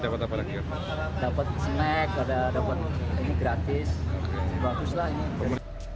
dapat snack ini gratis bagus lah ini